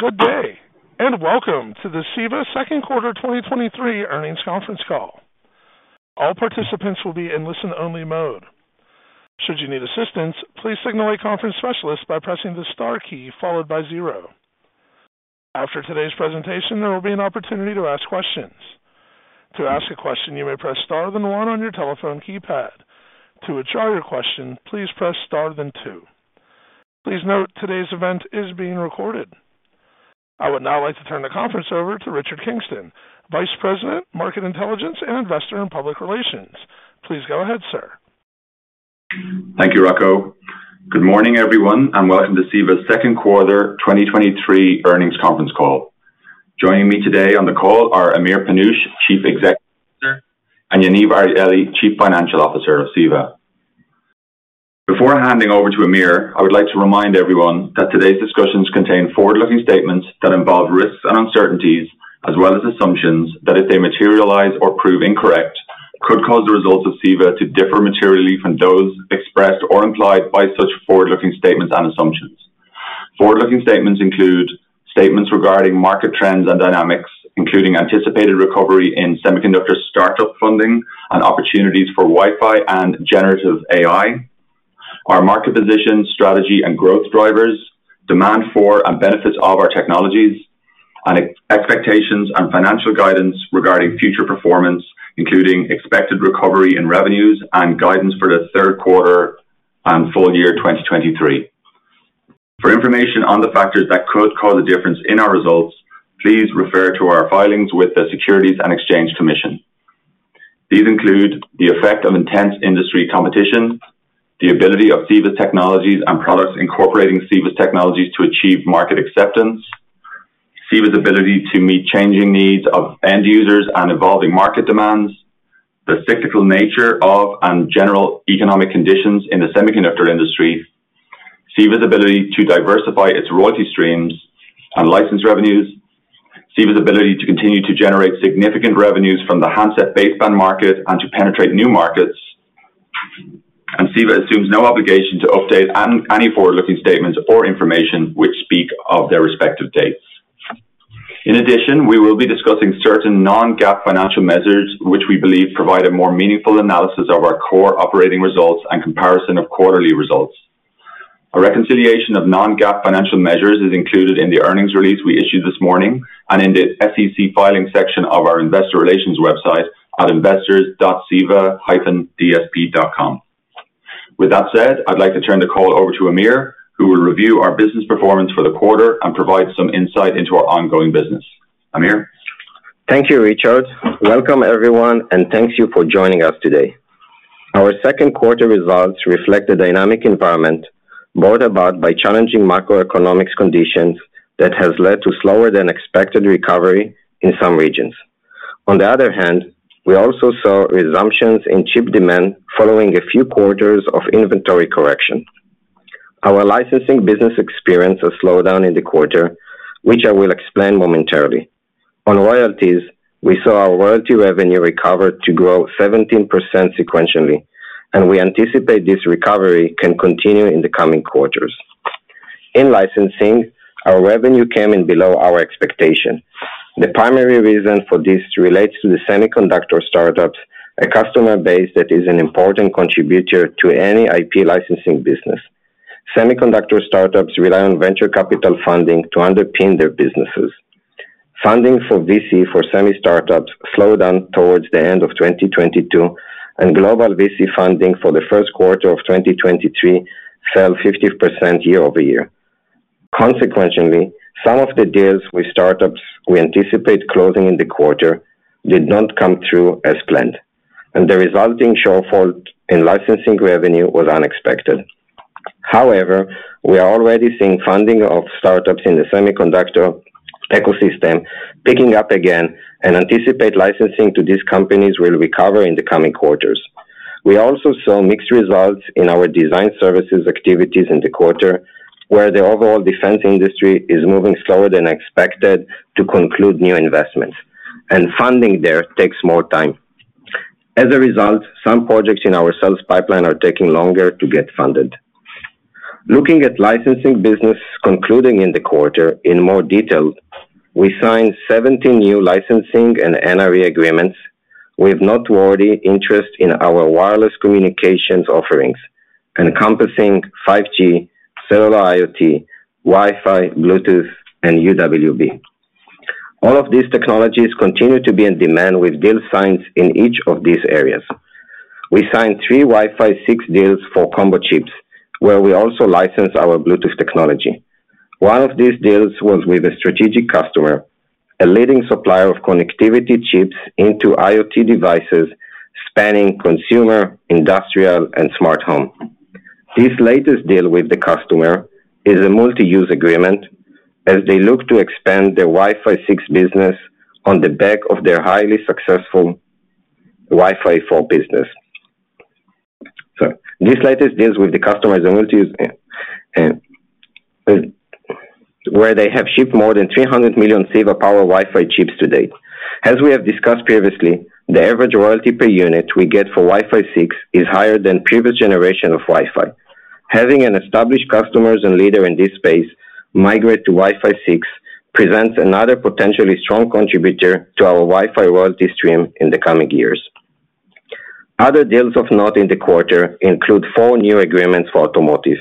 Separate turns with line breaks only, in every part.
Good day, welcome to the CEVA second quarter 2023 earnings conference call. All participants will be in listen-only mode. Should you need assistance, please signal a conference specialist by pressing the star key followed by zero. After today's presentation, there will be an opportunity to ask questions. To ask a question, you may press star then one on your telephone keypad. To withdraw your question, please press star then two. Please note, today's event is being recorded. I would now like to turn the conference over to Richard Kingston, Vice President, Market Intelligence and Investor in Public Relations. Please go ahead, sir.
Thank you, Rocco. Good morning, everyone, and welcome to CEVA's second quarter 2023 earnings conference call. Joining me today on the call are Amir Panush, Chief Executive Officer, and Yaniv Arieli, Chief Financial Officer of CEVA. Before handing over to Amir, I would like to remind everyone that today's discussions contain forward-looking statements that involve risks and uncertainties, as well as assumptions that, if they materialize or prove incorrect, could cause the results of CEVA to differ materially from those expressed or implied by such forward-looking statements and assumptions. Forward-looking statements include statements regarding market trends and dynamics, including anticipated recovery in semiconductor startup funding and opportunities for Wi-Fi and generative AI. Our market position, strategy, and growth drivers, demand for and benefits of our technologies, and expectations and financial guidance regarding future performance, including expected recovery in revenues and guidance for the third quarter and full year 2023. For information on the factors that could cause a difference in our results, please refer to our filings with the Securities and Exchange Commission. These include the effect of intense industry competition, the ability of CEVA's technologies and products incorporating CEVA's technologies to achieve market acceptance, CEVA's ability to meet changing needs of end users and evolving market demands, the cyclical nature of and general economic conditions in the semiconductor industry, CEVA's ability to diversify its royalty streams and license revenues, CEVA's ability to continue to generate significant revenues from the handset baseband market and to penetrate new markets, and CEVA assumes no obligation to update any forward-looking statements or information which speak of their respective dates. In addition, we will be discussing certain non-GAAP financial measures, which we believe provide a more meaningful analysis of our core operating results and comparison of quarterly results. A reconciliation of non-GAAP financial measures is included in the earnings release we issued this morning, and in the SEC filing section of our investor relations website at investors.ceva-dsp.com. With that said, I'd like to turn the call over to Amir, who will review our business performance for the quarter and provide some insight into our ongoing business. Amir?
Thank you, Richard. Welcome, everyone, and thank you for joining us today. Our second quarter results reflect the dynamic environment brought about by challenging macroeconomics conditions that has led to slower than expected recovery in some regions. On the other hand, we also saw resumptions in chip demand following a few quarters of inventory correction. Our licensing business experienced a slowdown in the quarter, which I will explain momentarily. On royalties, we saw our royalty revenue recover to grow 17% sequentially, and we anticipate this recovery can continue in the coming quarters. In licensing, our revenue came in below our expectation. The primary reason for this relates to the Semiconductor startups, a customer base that is an important contributor to any IP licensing business. Semiconductor startups rely on venture capital funding to underpin their businesses. Funding for VC for semi startups slowed down towards the end of 2022. Global VC funding for the 1st quarter of 2023 fell 50% year-over-year. Consequentially, some of the deals with startups we anticipate closing in the quarter did not come through as planned. The resulting shortfall in licensing revenue was unexpected. However, we are already seeing funding of startups in the semiconductor ecosystem picking up again and anticipate licensing to these companies will recover in the coming quarters. We also saw mixed results in our design services activities in the quarter, where the overall defense industry is moving slower than expected to conclude new investments, and funding there takes more time. As a result, some projects in our sales pipeline are taking longer to get funded. Looking at licensing business concluding in the quarter in more detail, we signed 17 new licensing and NRE agreements with noteworthy interest in our wireless communications offerings, encompassing 5G, Cellular IoT, Wi-Fi, Bluetooth, and UWB. All of these technologies continue to be in demand with deal signs in each of these areas. We signed 3 Wi-Fi 6 deals for combo chips, where we also license our Bluetooth technology. One of these deals was with a strategic customer, a leading supplier of connectivity chips into IoT devices, spanning consumer, industrial, and smart home. This latest deal with the customer is a multi-use agreement as they look to expand their Wi-Fi 6 business on the back of their highly successful Wi-Fi 4 business. This latest deals with the customer is a multi-use, where they have shipped more than 300 million CEVA power Wi-Fi chips to date. As we have discussed previously, the average royalty per unit we get for Wi-Fi 6 is higher than previous generation of Wi-Fi. Having an established customers and leader in this space migrate to Wi-Fi 6, presents another potentially strong contributor to our Wi-Fi royalty stream in the coming years. Other deals of note in the quarter include 4 new agreements for automotive.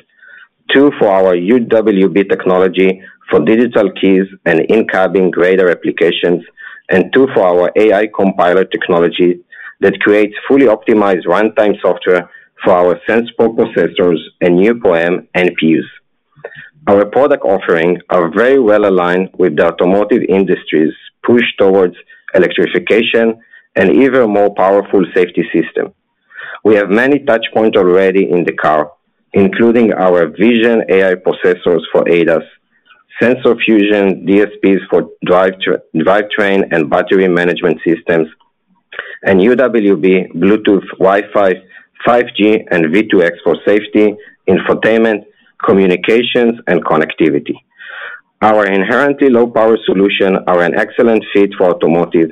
2 for our UWB technology for digital keys and in-cabin radar applications, and 2 for our AI compiler technology that creates fully optimized runtime software for our SensPro processors and NeuPro-M NPUs. Our product offering are very well aligned with the automotive industry's push towards electrification and even more powerful safety system. We have many touch points already in the car, including our vision AI processors for ADAS, sensor fusion, DSPs for drivetrain and battery management systems, UWB, Bluetooth, Wi-Fi, 5G and V2X for safety, infotainment, communications, and connectivity. Our inherently low power solution are an excellent fit for automotive,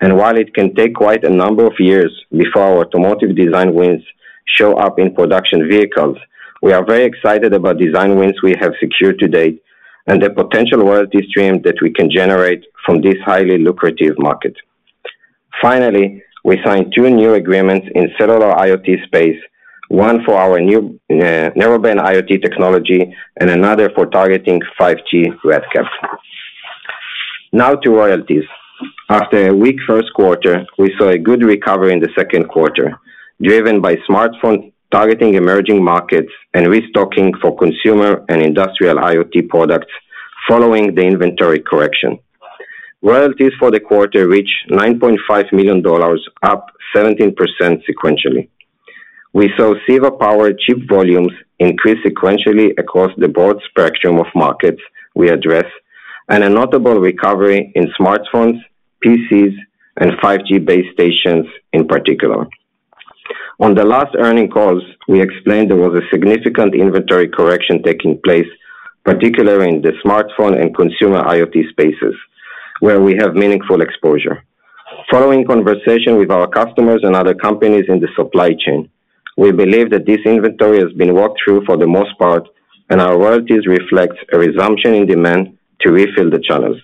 and while it can take quite a number of years before our automotive design wins show up in production vehicles, we are very excited about design wins we have secured to date and the potential royalty stream that we can generate from this highly lucrative market. Finally, we signed two new agreements in cellular IoT space, one for our new, Narrowband IoT technology and another for targeting 5G RedCap. Now to royalties. After a weak first quarter, we saw a good recovery in the second quarter, driven by smartphone targeting emerging markets and restocking for consumer and industrial IoT products following the inventory correction. Royalties for the quarter reached $9.5 million, up 17% sequentially. We saw CEVA Power chip volumes increase sequentially across the broad spectrum of markets we address, and a notable recovery in smartphones, PCs, and 5G base stations in particular. On the last earnings calls, we explained there was a significant inventory correction taking place, particularly in the smartphone and consumer IoT spaces, where we have meaningful exposure. Following conversation with our customers and other companies in the supply chain, we believe that this inventory has been worked through for the most part, and our royalties reflect a resumption in demand to refill the channels.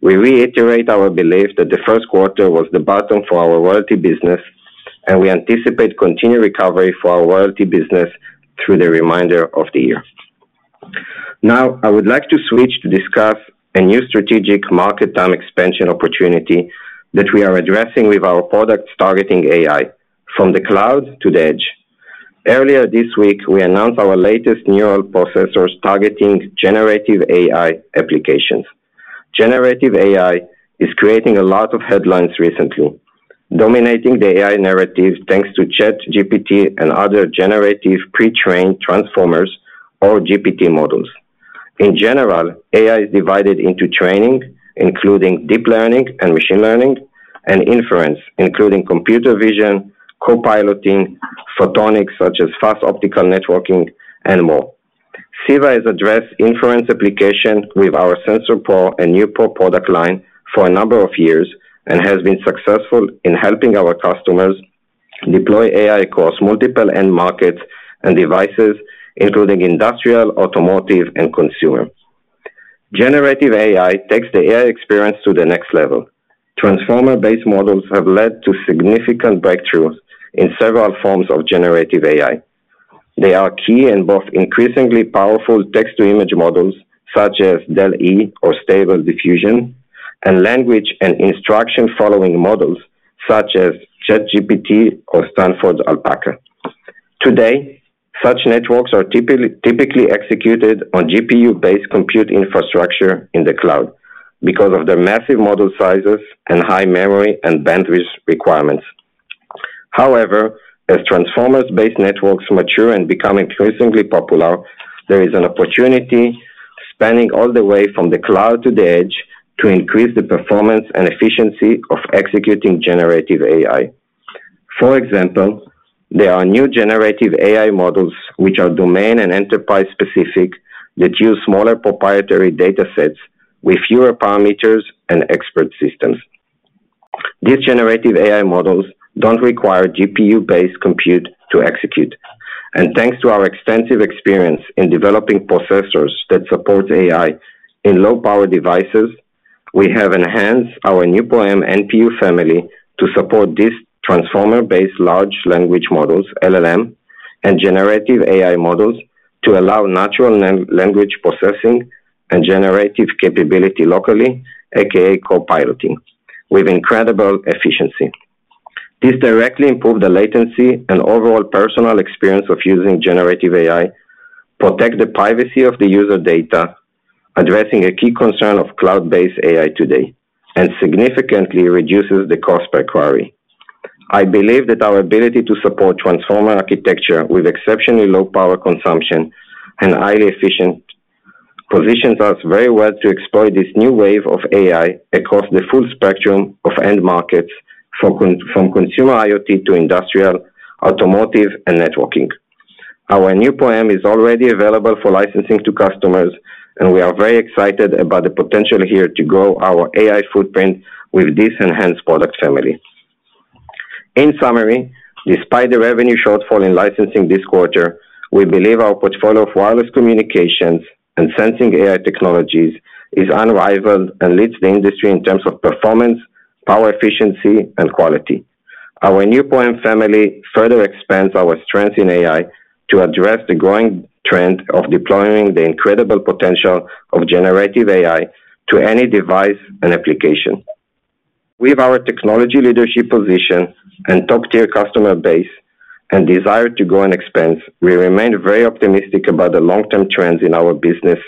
We reiterate our belief that the first quarter was the bottom for our royalty business. We anticipate continued recovery for our royalty business through the remainder of the year. Now, I would like to switch to discuss a new strategic market time expansion opportunity that we are addressing with our products targeting AI, from the cloud to the edge. Earlier this week, we announced our latest neural processors targeting generative AI applications. Generative AI is creating a lot of headlines recently, dominating the AI narrative, thanks to ChatGPT and other generative pre-trained transformers or GPT models. In general, AI is divided into training, including deep learning and machine learning, and inference, including computer vision, co-piloting, photonics, such as fast optical networking, and more. CEVA has addressed inference application with our SensPro and NeuPro product line for a number of years, and has been successful in helping our customers deploy AI across multiple end markets and devices, including industrial, automotive, and consumer. Generative AI takes the AI experience to the next level. Transformer-based models have led to significant breakthroughs in several forms of generative AI. They are key in both increasingly powerful text-to-image models such as DALL-E or Stable Diffusion, and language and instruction following models such as ChatGPT or Stanford Alpaca. Today, such networks are typically executed on GPU-based compute infrastructure in the cloud because of their massive model sizes and high memory and bandwidth requirements. However, as transformers-based networks mature and become increasingly popular, there is an opportunity spanning all the way from the cloud to the edge to increase the performance and efficiency of executing generative AI. For example, there are new generative AI models, which are domain and enterprise-specific, that use smaller proprietary datasets with fewer parameters and expert systems. These generative AI models don't require GPU-based compute to execute. Thanks to our extensive experience in developing processors that support AI in low-power devices, we have enhanced our NeuPro-M NPU family to support this transformer-based large language models, LLM, and generative AI models to allow natural language processing and generative capability locally, AKA co-piloting, with incredible efficiency. This directly improve the latency and overall personal experience of using generative AI, protect the privacy of the user data, addressing a key concern of cloud-based AI today, and significantly reduces the cost per query. I believe that our ability to support transformer architecture with exceptionally low power consumption and highly efficient, positions us very well to exploit this new wave of AI across the full spectrum of end markets from consumer IoT to industrial, automotive, and networking. Our new NeuPro-M is already available for licensing to customers, and we are very excited about the potential here to grow our AI footprint with this enhanced product family. In summary, despite the revenue shortfall in licensing this quarter, we believe our portfolio of wireless communications and sensing AI technologies is unrivaled and leads the industry in terms of performance, power, efficiency, and quality. Our new NeuPro-M family further expands our strengths in AI to address the growing trend of deploying the incredible potential of generative AI to any device and application. With our technology leadership position and top-tier customer base and desire to grow and expand, we remain very optimistic about the long-term trends in our business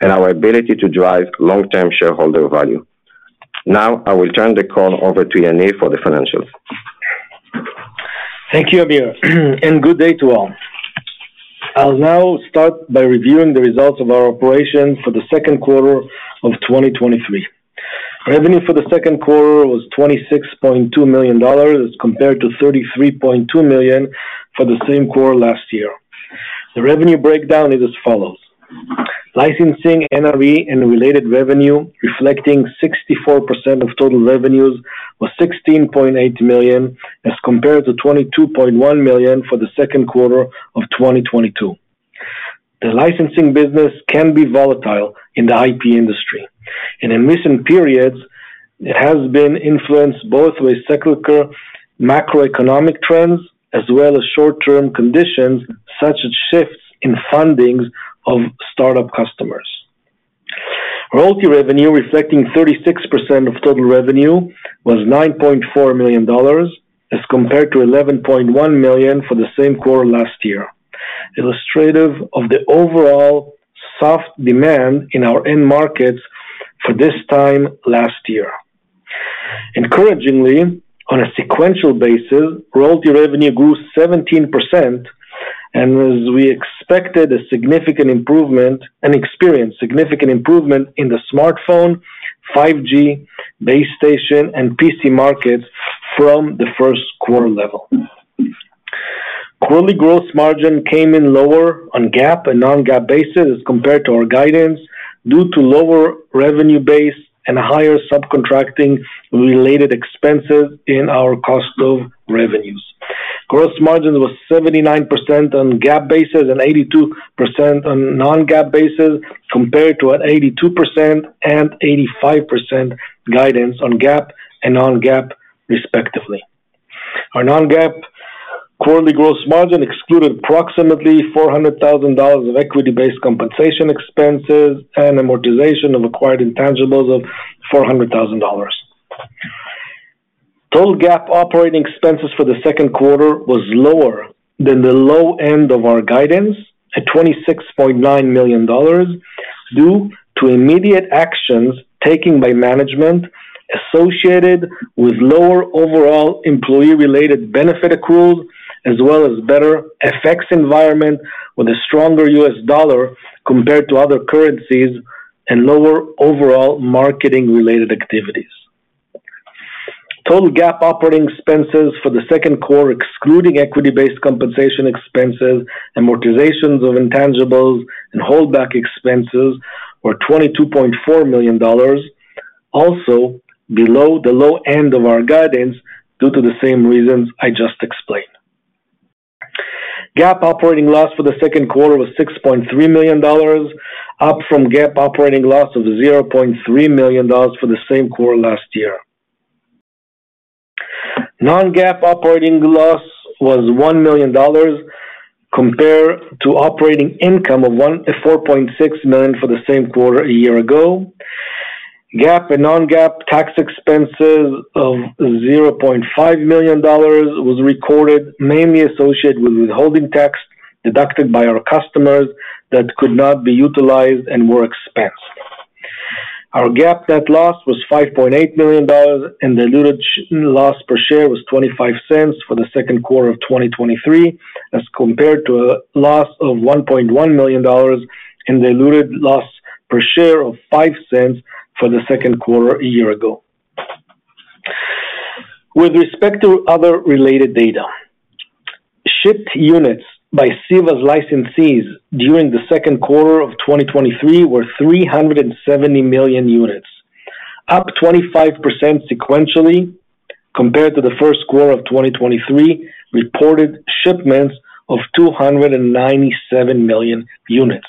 and our ability to drive long-term shareholder value. Now, I will turn the call over to Yaniv for the financials.
Thank you, Amir. Good day to all. I'll now start by reviewing the results of our operation for the second quarter of 2023. Revenue for the second quarter was $26.2 million as compared to $33.2 million for the same quarter last year. The revenue breakdown is as follows: licensing NRE and related revenue, reflecting 64% of total revenues, was $16.8 million, as compared to $22.1 million for the second quarter of 2022. The licensing business can be volatile in the IP industry, in recent periods, it has been influenced both by cyclical macroeconomic trends as well as short-term conditions, such as shifts in fundings of start-up customers. Royalty revenue, reflecting 36% of total revenue, was $9.4 million, as compared to $11.1 million for the same quarter last year. Illustrative of the overall soft demand in our end markets for this time last year. Encouragingly, on a sequential basis, royalty revenue grew 17% and as we expected, experienced significant improvement in the smartphone, 5G, base station, and PC markets from the first quarter level. Quarterly gross margin came in lower on GAAP and non-GAAP basis as compared to our guidance, due to lower revenue base and higher subcontracting-related expenses in our cost of revenues. Gross margin was 79% on GAAP basis and 82% on non-GAAP basis, compared to an 82% and 85% guidance on GAAP and non-GAAP, respectively. Our non-GAAP quarterly gross margin excluded approximately $400,000 of equity-based compensation expenses and amortization of acquired intangibles of $400,000. Total GAAP operating expenses for the second quarter was lower than the low end of our guidance, at $26.9 million, due to immediate actions taken by management associated with lower overall employee-related benefit accruals, as well as better FX environment with a stronger US dollar compared to other currencies and lower overall marketing-related activities. Total GAAP operating expenses for the second quarter, excluding equity-based compensation expenses, amortizations of intangibles, and holdback expenses, were $22.4 million. Below the low end of our guidance due to the same reasons I just explained. GAAP operating loss for the second quarter was $6.3 million, up from GAAP operating loss of $0.3 million for the same quarter last year. Non-GAAP operating loss was $1 million, compared to operating income of $4.6 million for the same quarter a year ago. GAAP and non-GAAP tax expenses of $0.5 million was recorded, mainly associated with withholding tax deducted by our customers that could not be utilized and were expensed. Our GAAP net loss was $5.8 million, and the diluted loss per share was $0.25 for the second quarter of 2023, as compared to a loss of $1.1 million and the diluted loss per share of $0.05 for the second quarter a year ago. With respect to other related data, shipped units by CEVA's licensees during the second quarter of 2023 were 370 million units, up 25% sequentially compared to the first quarter of 2023, reported shipments of 297 million units,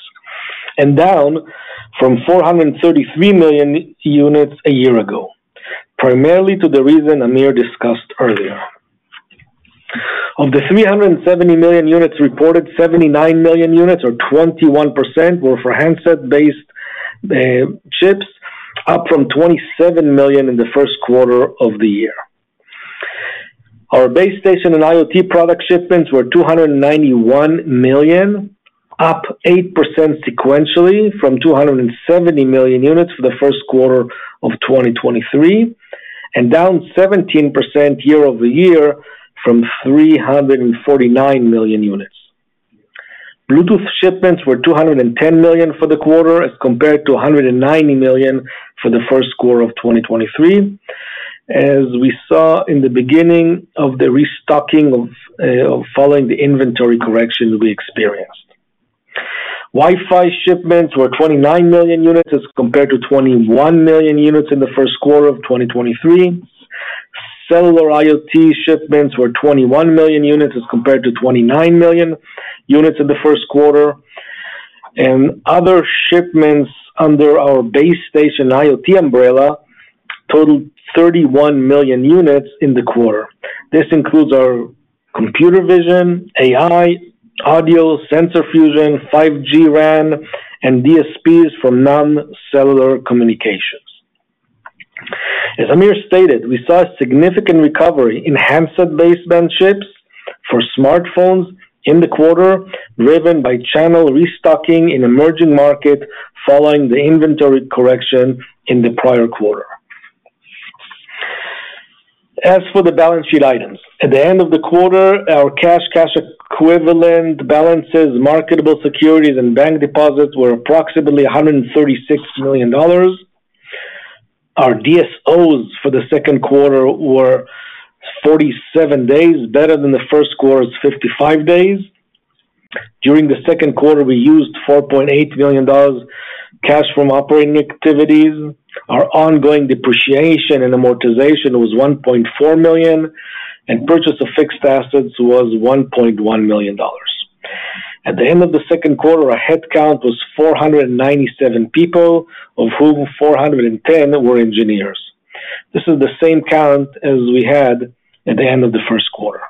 and down from 433 million units a year ago, primarily to the reason Amir discussed earlier. Of the 370 million units reported, 79 million units, or 21%, were for handset-based chips, up from 27 million in the first quarter of the year. Our base station and IoT product shipments were 291 million, up 8% sequentially from 270 million units for the first quarter of 2023, and down 17% year-over-year from 349 million units. Bluetooth shipments were 210 million for the quarter, as compared to 190 million for the first quarter of 2023. As we saw in the beginning of the restocking of, following the inventory correction we experienced. Wi-Fi shipments were 29 million units as compared to 21 million units in the first quarter of 2023. Cellular IoT shipments were 21 million units as compared to 29 million units in the first quarter. Other shipments under our base station IoT umbrella totaled 31 million units in the quarter. This includes our computer vision, AI, audio, sensor fusion, 5G RAN, and DSPs for non-cellular communications. As Amir stated, we saw a significant recovery in handset baseband chips for smartphones in the quarter, driven by channel restocking in emerging markets following the inventory correction in the prior quarter. As for the balance sheet items, at the end of the quarter, our cash, cash equivalent balances, marketable securities, and bank deposits were approximately $136 million. Our DSOs for the second quarter were 47 days, better than the first quarter's 55 days. During the second quarter, we used $4.8 million cash from operating activities. Our ongoing depreciation and amortization was $1.4 million, and purchase of fixed assets was $1.1 million. At the end of the second quarter, our headcount was 497 people, of whom 410 were engineers. This is the same count as we had at the end of the first quarter.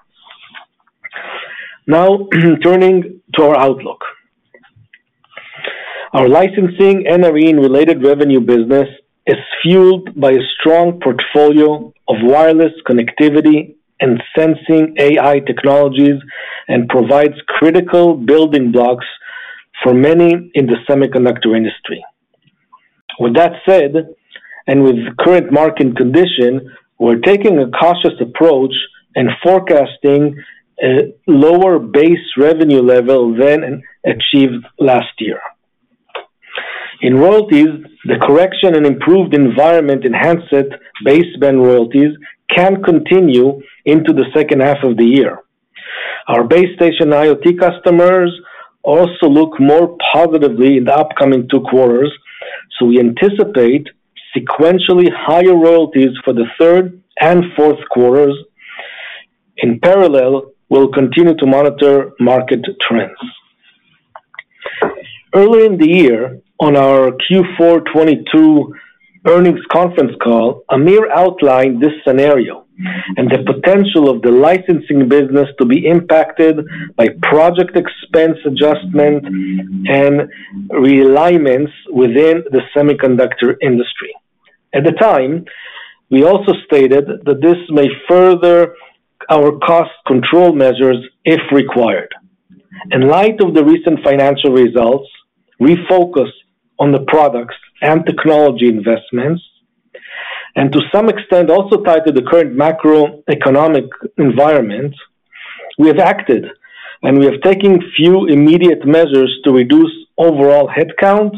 Now, turning to our outlook. Our licensing and NRE-related revenue business is fueled by a strong portfolio of wireless connectivity and sensing AI technologies and provides critical building blocks for many in the semiconductor industry. With that said, with the current market condition, we're taking a cautious approach and forecasting a lower base revenue level than achieved last year. In royalties, the correction and improved environment in handset baseband royalties can continue into the second half of the year. Our base station IoT customers also look more positively in the upcoming two quarters, so we anticipate sequentially higher royalties for the third and fourth quarters. In parallel, we'll continue to monitor market trends. Earlier in the year, on our Q4 2022 earnings conference call, Amir outlined this scenario and the potential of the licensing business to be impacted by project expense adjustment and realignments within the semiconductor industry. At the time, we also stated that this may further our cost control measures if required. In light of the recent financial results, we focus on the products and technology investments, and to some extent, also tied to the current macroeconomic environment, we have acted, and we are taking few immediate measures to reduce overall headcount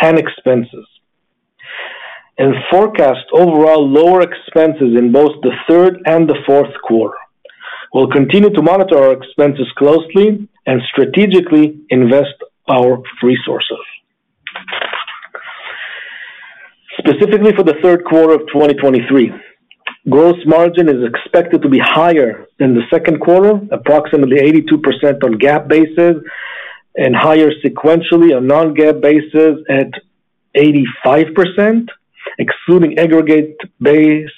and expenses, and forecast overall lower expenses in both the 3rd and the 4th quarter. We'll continue to monitor our expenses closely and strategically invest our resources. Specifically for the 3rd quarter of 2023, gross margin is expected to be higher than the 2nd quarter, approximately 82% on GAAP basis, and higher sequentially on non-GAAP basis at 85%, excluding aggregate base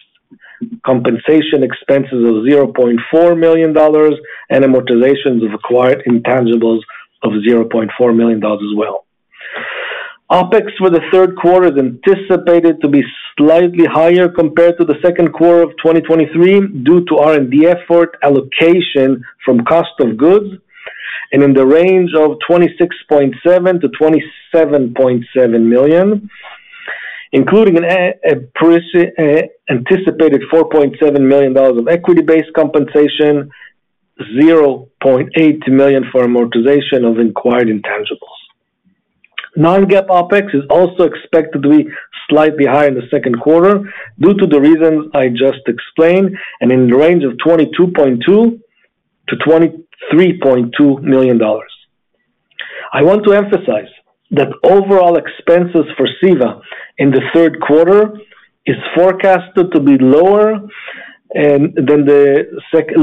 compensation expenses of $0.4 million and amortizations of acquired intangibles of $0.4 million as well. OpEx for the third quarter is anticipated to be slightly higher compared to the second quarter of 2023, due to R&D effort allocation from cost of goods and in the range of $26.7 million-$27.7 million, including an anticipated $4.7 million of equity-based compensation, $0.8 million for amortization of acquired intangibles. Non-GAAP OpEx is also expected to be slightly higher in the second quarter due to the reasons I just explained and in the range of $22.2 million-$23.2 million. I want to emphasize that overall expenses for CEVA in the third quarter is forecasted to be lower,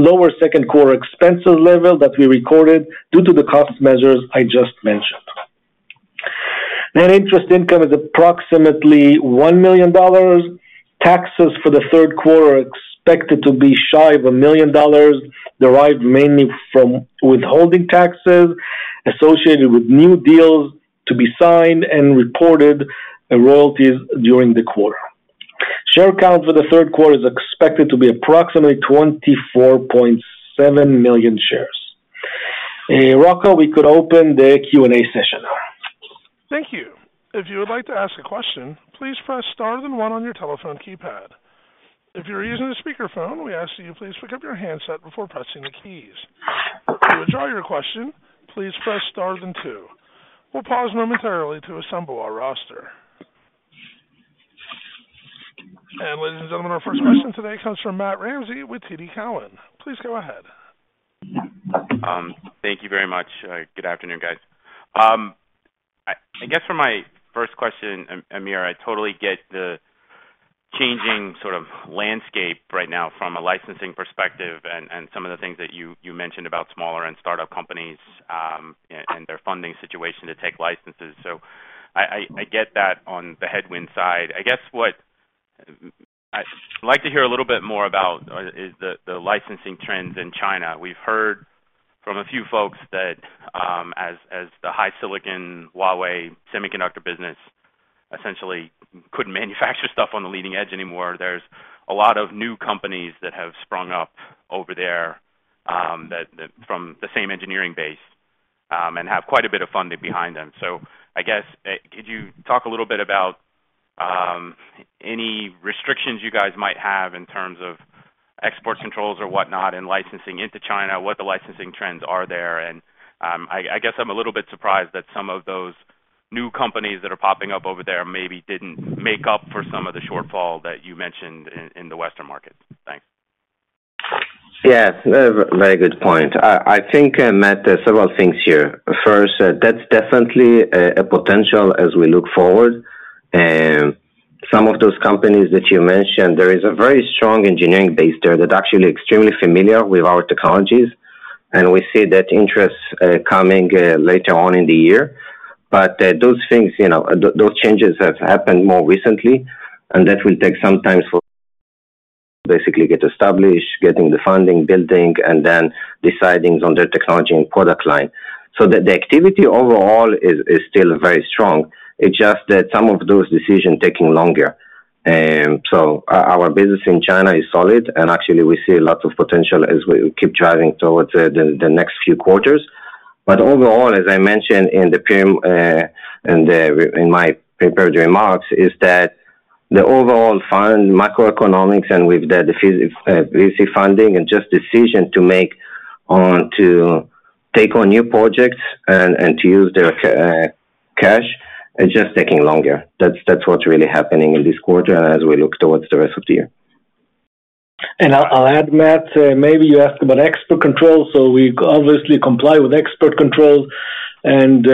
lower second quarter expenses level that we recorded due to the cost measures I just mentioned. Net interest income is approximately $1 million. Taxes for the third quarter are expected to be shy of $1 million, derived mainly from withholding taxes associated with new deals to be signed and reported in royalties during the quarter. Share count for the third quarter is expected to be approximately 24.7 million shares. Rocco, we could open the Q&A session now.
Thank you. If you would like to ask a question, please press star then one on your telephone keypad. If you're using a speakerphone, we ask that you please pick up your handset before pressing the keys. To withdraw your question, please press star then two. We'll pause momentarily to assemble our roster. Ladies and gentlemen, our first question today comes from Matt Ramsay with TD Cowen. Please go ahead.
Thank you very much. Good afternoon, guys. I, I guess for my first question, Amir, I totally get the changing sort of landscape right now from a licensing perspective and some of the things that you mentioned about smaller and startup companies and their funding situation to take licenses. I, I, I get that on the headwind side. I guess what I'd like to hear a little bit more about is the licensing trends in China. We've heard from a few folks that as the HiSilicon, Huawei Semiconductor business essentially couldn't manufacture stuff on the leading edge anymore, there's a lot of new companies that have sprung up over there from the same engineering base and have quite a bit of funding behind them. I guess, could you talk a little bit about any restrictions you guys might have in terms of export controls or whatnot, and licensing into China, what the licensing trends are there? I guess I'm a little bit surprised that some of those new companies that are popping up over there maybe didn't make up for some of the shortfall that you mentioned in, in the Western markets. Thanks.
Yes, very, very good point. I, I think, Matt, there are several things here. First, that's definitely a, a potential as we look forward. Some of those companies that you mentioned, there is a very strong engineering base there that are actually extremely familiar with our technologies, and we see that interest coming later on in the year. Those things, you know, those changes have happened more recently, and that will take some time for basically get established, getting the funding, building, and then deciding on their technology and product line. The, the activity overall is, is still very strong. It's just that some of those decisions are taking longer. Our, our business in China is solid, and actually, we see a lot of potential as we keep driving towards the, the next few quarters. Overall, as I mentioned in the prem, in my prepared remarks, is that the overall fund macroeconomics and with the easy funding and just decision to make on to take on new projects and to use their cash, is just taking longer. That's, that's what's really happening in this quarter and as we look towards the rest of the year.
I'll, I'll add, Matt, maybe you asked about export control, we obviously comply with export controls and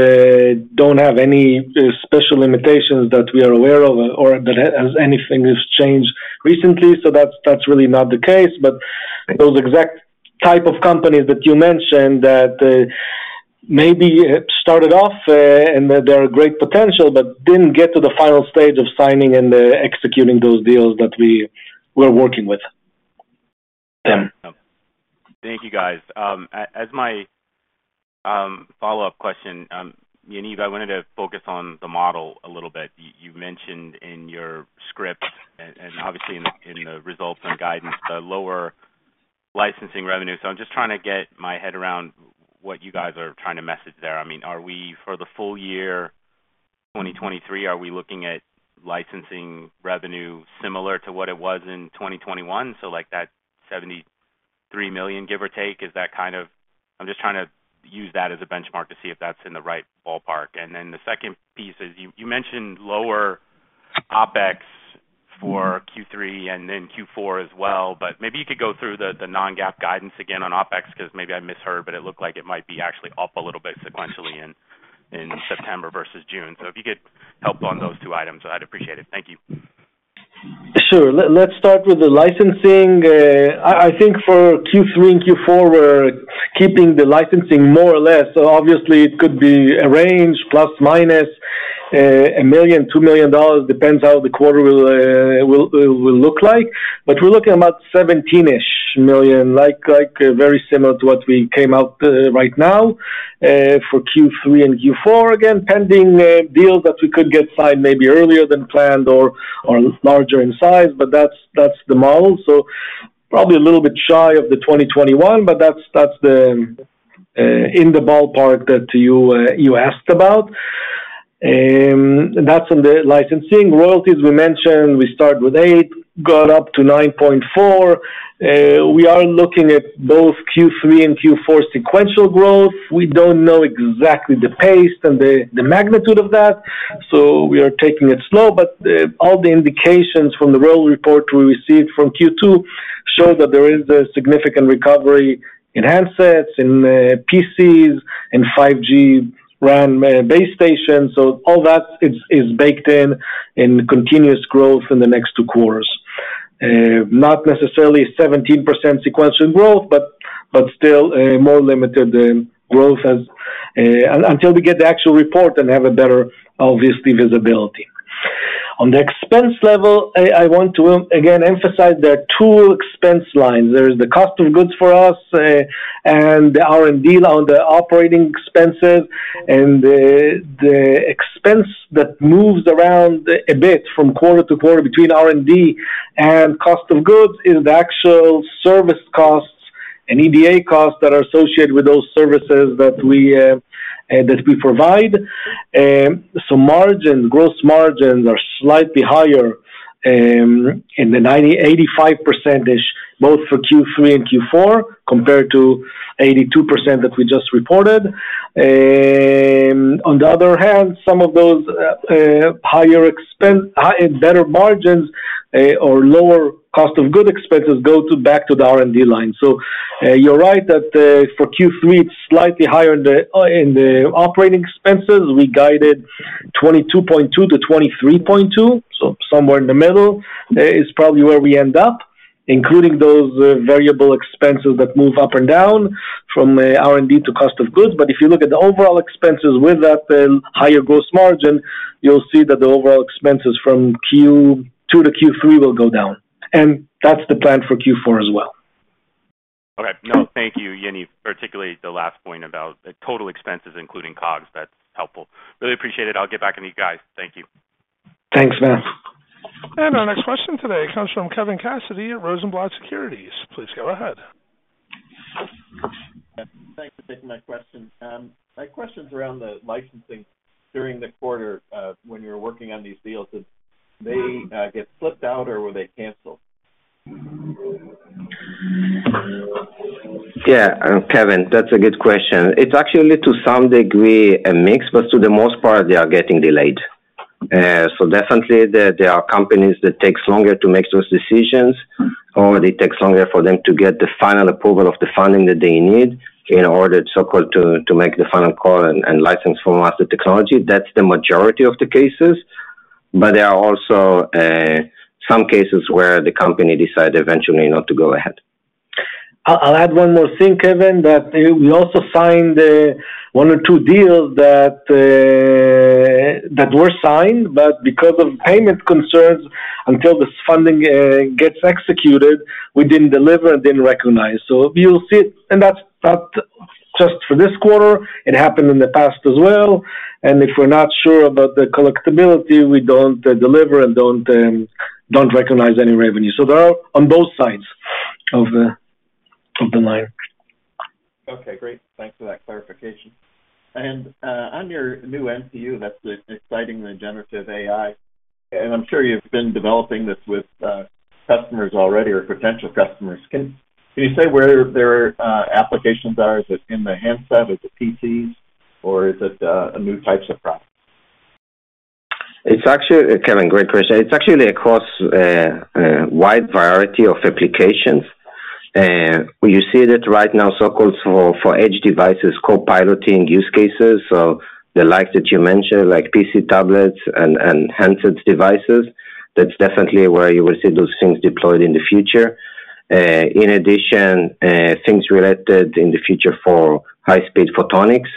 don't have any special limitations that we are aware of or that as anything has changed recently. That's, that's really not the case. Those exact type of companies that you mentioned, that maybe started off and they're a great potential, but didn't get to the final stage of signing and executing those deals that we were working with.
Thank you, guys. As my follow-up question, Yaniv, I wanted to focus on the model a little bit. You mentioned in your script and obviously in the results and guidance, the lower licensing revenue. I'm just trying to get my head around what you guys are trying to message there. I mean, for the full year, 2023, are we looking at licensing revenue similar to what it was in 2021? Like, that $73 million, give or take, is that? I'm just trying to use that as a benchmark to see if that's in the right ballpark. Then the second piece is, you, you mentioned lower OpEx for Q3 and then Q4 as well. Maybe you could go through the, the non-GAAP guidance again on OpEx, because maybe I misheard, but it looked like it might be actually up a little bit sequentially in, in September versus June. If you could help on those two items, I'd appreciate it. Thank you.
Sure. Let's start with the licensing. I think for Q3 and Q4, we're keeping the licensing more or less. Obviously, it could be a range, plus, minus, $1 million-$2 million, depends how the quarter will look like. We're looking at about $17-ish million, very similar to what we came out right now for Q3 and Q4. Again, pending deals that we could get signed maybe earlier than planned or larger in size, but that's the model. Probably a little bit shy of the $20 million-$21 million, but that's in the ballpark that you asked about. That's on the licensing. Royalties, we mentioned, we started with $8 million, got up to $9.4 million. We are looking at both Q3 and Q4 sequential growth. We don't know exactly the pace and the, the magnitude of that, so we are taking it slow, but all the indications from the royal report we received from Q2 show that there is a significant recovery in handsets, in PCs, in 5G RAN base stations. All that is baked in, in continuous growth in the next two quarters. Not necessarily 17% sequential growth, but still more limited than growth. Until we get the actual report and have a better, obviously, visibility. On the expense level, I want to again emphasize there are two expense lines. There is the cost of goods for us, and the R&D on the operating expenses, and the expense that moves around a bit from quarter to quarter between R&D and cost of goods is the actual service costs and EDA costs that are associated with those services that we provide. Margins, gross margins are slightly higher. In the 90-85%, both for Q3 and Q4, compared to 82% that we just reported. On the other hand, some of those higher expense, high and better margins, or lower cost of good expenses go to back to the R&D line. You're right that for Q3, it's slightly higher in the operating expenses. We guided $22.2 million-$23.2 million, so somewhere in the middle, is probably where we end up, including those variable expenses that move up and down from R&D to cost of goods. If you look at the overall expenses with that, then higher gross margin, you'll see that the overall expenses from Q2 to Q3 will go down, and that's the plan for Q4 as well.
Okay. No, thank you, Yaniv, particularly the last point about the total expenses, including COGS. That's helpful. Really appreciate it. I'll get back to you guys. Thank you.
Thanks, Matt.
Our next question today comes from Kevin Cassidy at Rosenblatt Securities. Please go ahead.
Thanks for taking my question. My question's around the licensing during the quarter, when you're working on these deals, did they get flipped out, or were they canceled?
Yeah, Kevin, that's a good question. It's actually, to some degree, a mix, but to the most part, they are getting delayed. Definitely, there, there are companies that takes longer to make those decisions, or they take longer for them to get the final approval of the funding that they need in order to, so-called, to, to make the final call and, and license from us the technology. That's the majority of the cases, but there are also, some cases where the company decided eventually not to go ahead.
I'll, I'll add one more thing, Kevin, that we also signed, one or two deals that were signed, but because of payment concerns, until this funding gets executed, we didn't deliver and didn't recognize. You'll see, and that's not just for this quarter, it happened in the past as well, and if we're not sure about the collectibility, we don't deliver and don't don't recognize any revenue. They're on both sides of the, of the line.
Okay, great. Thanks for that clarification. On your new NPU, that's the exciting, the generative AI, and I'm sure you've been developing this with customers already or potential customers. Can you say where their applications are? Is it in the handset, PCs, or is it new types of product?
It's actually, Kevin, great question. It's actually across a, a wide variety of applications. We you see that right now, so-called, for, for edge devices, co-piloting use cases. The like that you mentioned, like PC, tablets and, and handsets devices, that's definitely where you will see those things deployed in the future. In addition, things related in the future for high-speed photonics,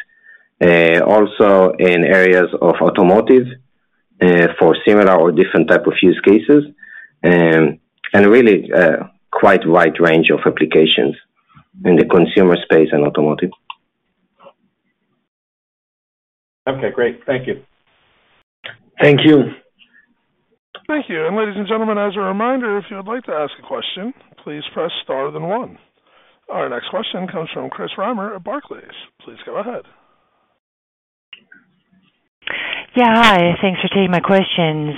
also in areas of automotive, for similar or different type of use cases, really, quite a wide range of applications in the consumer space and automotive.
Okay, great. Thank you.
Thank you.
Thank you. Ladies and gentlemen, as a reminder, if you would like to ask a question, please press star then 1. Our next question comes from Chris Reimer at Barclays. Please go ahead.
Yeah, hi, thanks for taking my questions.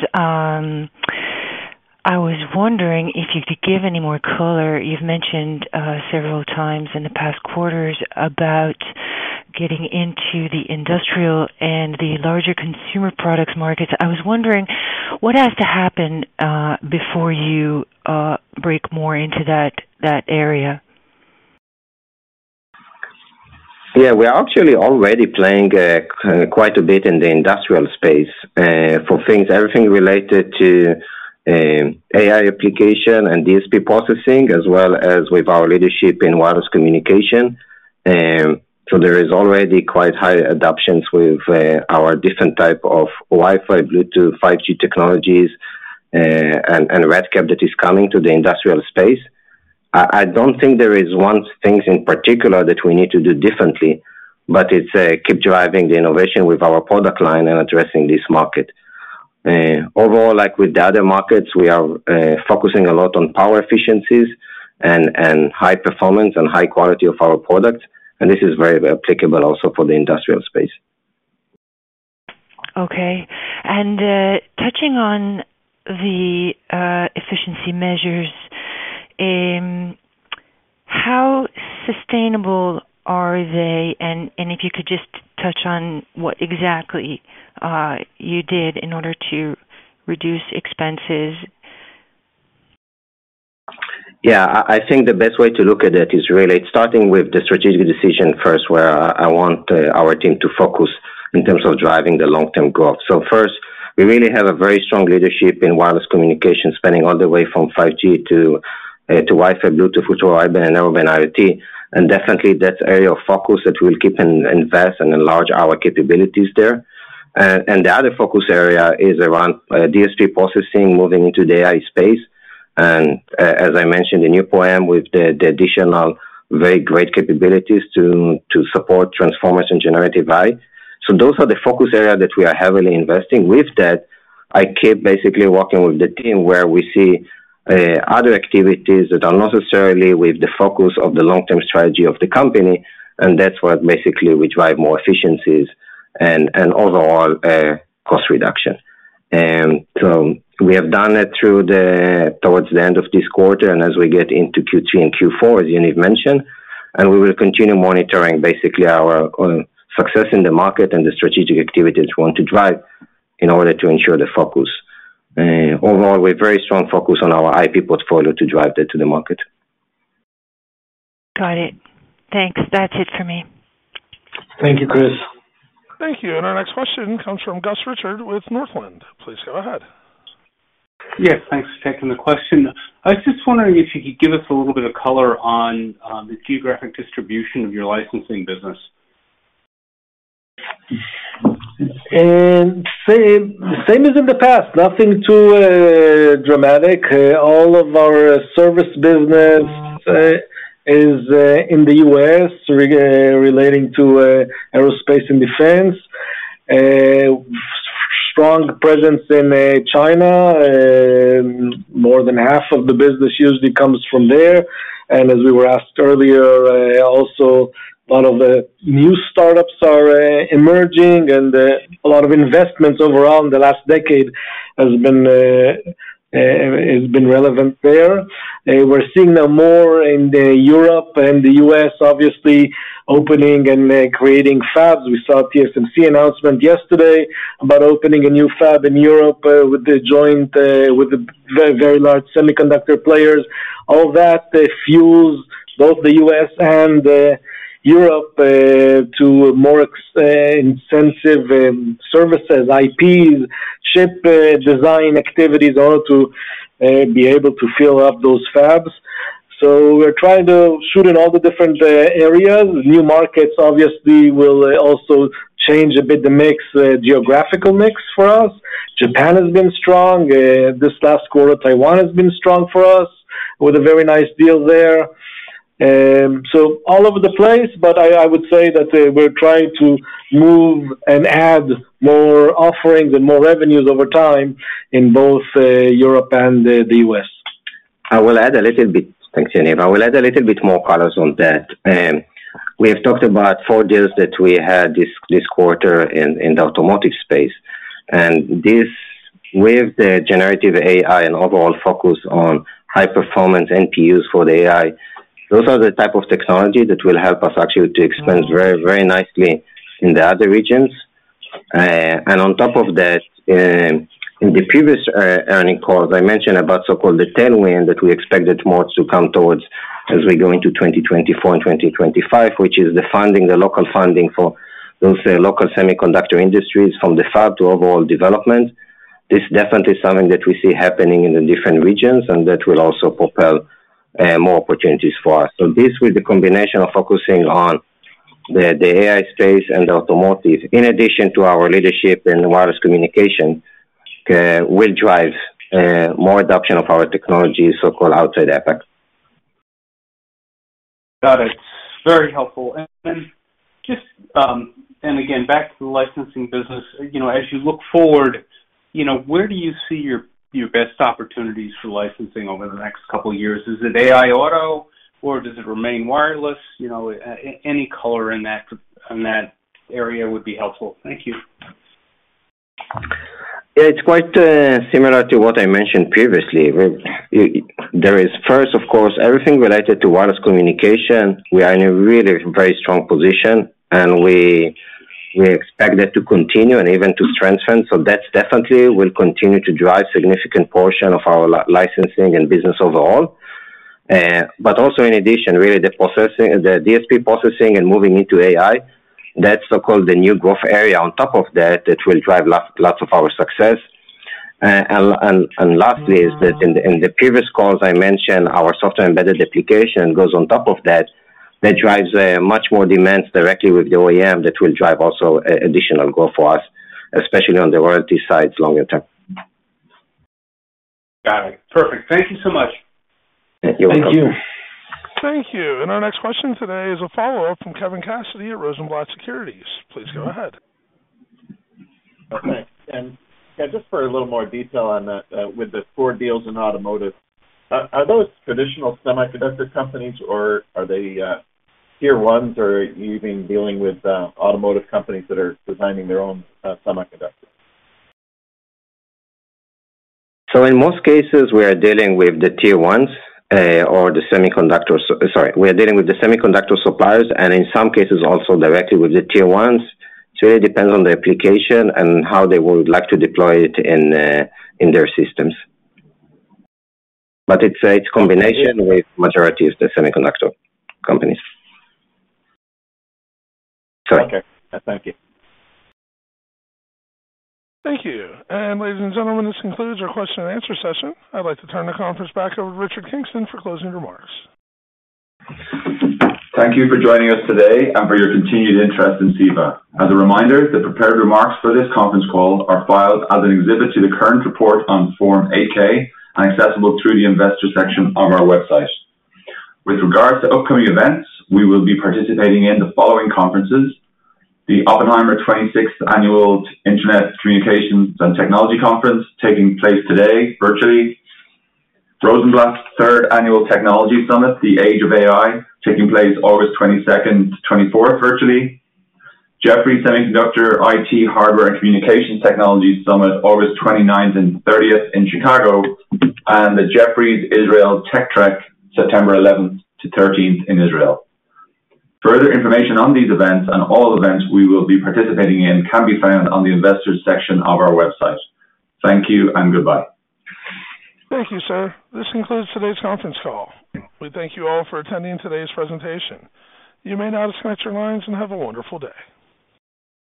I was wondering if you could give any more color. You've mentioned several times in the past quarters about getting into the industrial and the larger consumer products markets. I was wondering, what has to happen before you break more into that, that area?
Yeah, we are actually already playing quite a bit in the industrial space for things, everything related to AI application and DSP processing, as well as with our leadership in wireless communication. So there is already quite high adoptions with our different type of Wi-Fi, Bluetooth, 5G technologies, and RedCap that is coming to the industrial space. I, I don't think there is one things in particular that we need to do differently, but it's keep driving the innovation with our product line and addressing this market. Overall, like with the other markets, we are focusing a lot on power efficiencies and high performance and high quality of our products, and this is very applicable also for the industrial space.
Okay. Touching on the efficiency measures, how sustainable are they? If you could just touch on what exactly you did in order to reduce expenses.
Yeah, I, I think the best way to look at it is really starting with the strategic decision first, where I, I want our team to focus in terms of driving the long-term growth. First, we really have a very strong leadership in wireless communication, spanning all the way from 5G to Wi-Fi, Bluetooth, ultra-wideband, and urban IoT, and definitely that area of focus that we'll keep and invest and enlarge our capabilities there. And the other focus area is around DSP processing, moving into the AI space, and as I mentioned, the NeuPro-M with the additional very great capabilities to support transformers and generative AI. Those are the focus areas that we are heavily investing. With that, I keep basically working with the team where we see other activities that are not necessarily with the focus of the long-term strategy of the company, and that's where basically we drive more efficiencies. Overall, cost reduction. We have done it through the, towards the end of this quarter, and as we get into Q3 and Q4, as Yaniv mentioned, and we will continue monitoring basically our success in the market and the strategic activities we want to drive in order to ensure the focus. Overall, we're very strong focus on our IP portfolio to drive that to the market.
Got it. Thanks. That's it for me.
Thank you, Chris.
Thank you. Our next question comes from Gus Richard with Northland. Please go ahead.
Yes, thanks for taking the question. I was just wondering if you could give us a little bit of color on, the geographic distribution of your licensing business.
Same, same as in the past. Nothing too dramatic. All of our service business is in the U.S, relating to aerospace and defense. Strong presence in China, more than half of the business usually comes from there. As we were asked earlier, also a lot of the new start-ups are emerging and a lot of investments overall in the last decade has been relevant there. We're seeing now more in Europe and the US, obviously, opening and creating fabs. We saw TSMC announcement yesterday about opening a new fab in Europe, with the joint, with the very, very large semiconductor players. All that fuels both the U.S. and Europe to more intensive services, IPs, ship design activities, all to be able to fill up those fabs. We're trying to shoot in all the different areas. New markets obviously will also change a bit, the mix, geographical mix for us. Japan has been strong. This last quarter, Taiwan has been strong for us, with a very nice deal there. All over the place, but I, I would say that we're trying to move and add more offerings and more revenues over time in both Europe and the U.S.
I will add a little bit. Thanks, Yaniv. I will add a little bit more colors on that. We have talked about 4 deals that we had this, this quarter in, in the automotive space. This, with the generative AI and overall focus on high performance NPUs for the AI, those are the type of technology that will help us actually to expand very, very nicely in the other regions. On top of that, in the previous earning calls, I mentioned about so-called the tailwind, that we expected more to come towards as we go into 2024 and 2025, which is the funding, the local funding for those local semiconductor industries from the fab to overall development. This is definitely something that we see happening in the different regions, and that will also propel more opportunities for us. This, with the combination of focusing on the, the AI space and the automotive, in addition to our leadership in wireless communication, will drive more adoption of our technology, so-called outside APAC.
Got it. Very helpful. Then just, and again, back to the licensing business. You know, as you look forward, you know, where do you see your, your best opportunities for licensing over the next 2 years? Is it AI auto, or does it remain wireless? You know, any color in that, in that area would be helpful. Thank you.
It's quite similar to what I mentioned previously. There is first, of course, everything related to wireless communication. We are in a really very strong position, and we, we expect that to continue and even to strengthen. That's definitely will continue to drive significant portion of our licensing and business overall. Also in addition, really, the processing, the DSP processing and moving into AI, that's so-called the new growth area on top of that, that will drive lot, lots of our success. Lastly, is that in the, in the previous calls, I mentioned our software embedded application goes on top of that. That drives much more demands directly with the OEM that will drive also additional growth for us, especially on the royalty side, longer term.
Got it. Perfect. Thank you so much.
Thank you.
Thank you.
Thank you. Our next question today is a follow-up from Kevin Cassidy at Rosenblatt Securities. Please go ahead.
thanks. And just for a little more detail on the, with the 4 deals in automotive, are those traditional semiconductor companies or are they tier ones, or are you even dealing with automotive companies that are designing their own semiconductors?
In most cases, we are dealing with the tier ones, or the semiconductors... Sorry, we are dealing with the semiconductor suppliers, and in some cases, also directly with the tier ones. It depends on the application and how they would like to deploy it in their systems. It's a combination with majority of the semiconductor companies. Sorry.
Okay. Thank you.
Thank you. Ladies and gentlemen, this concludes our question and answer session. I'd like to turn the conference back over to Richard Kingston for closing remarks.
Thank you for joining us today and for your continued interest in CEVA. As a reminder, the prepared remarks for this conference call are filed as an exhibit to the current report on Form 8-K and accessible through the investor section on our website. With regards to upcoming events, we will be participating in the following conferences: The Oppenheimer 26th Annual Internet Communications and Technology Conference, taking place today, virtually. Rosenblatt 3rd Annual Technology Summit, The Age of AI, taking place August 22nd to 24th, virtually. Jefferies Semiconductor, IT, Hardware and Communications Technology Summit, August 29th and 30th in Chicago, and the Jefferies Israel Tech Trek, September 11th to 13th in Israel. Further information on these events and all events we will be participating in can be found on the investor section of our website. Thank you and goodbye.
Thank you, sir. This concludes today's conference call. We thank you all for attending today's presentation. You may now disconnect your lines, and have a wonderful day.